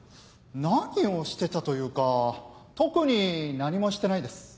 何をしてたというか特に何もしてないです。